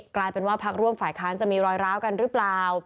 กลายเป็นว่าพักร่วมฝ่ายค้านจะมีรอยร้าวกันหรือเปล่า